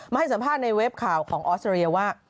ให้สัมภาษณ์ในเว็บข่าวของออสเตรเลียว่า